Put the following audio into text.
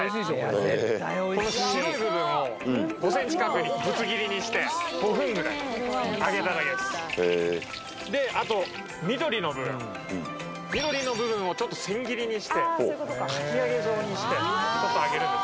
白い部分を５センチ角にぶつ切りにして５分ぐらい揚げただけですであと緑の部分緑の部分をちょっと千切りにしてかき揚げ状にしてちょっと揚げるんです